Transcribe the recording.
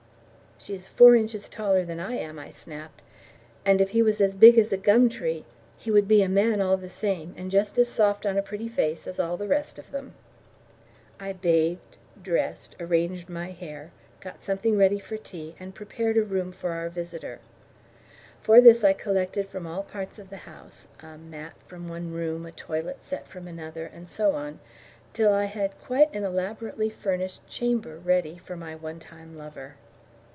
"She is four inches taller than I am," I snapped. "And if he was as big as a gum tree, he would be a man all the same, and just as soft on a pretty face as all the rest of them." I bathed, dressed, arranged my hair, got something ready for tea, and prepared a room for our visitor. For this I collected from all parts of the house a mat from one room, a toilet set from another, and so on till I had quite an elaborately furnished chamber ready for my one time lover.